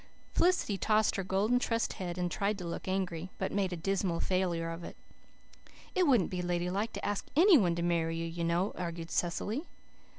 Felicity tossed her golden tressed head and tried to look angry, but made a dismal failure of it. "It wouldn't be ladylike to ask any one to marry you, you know," argued Cecily.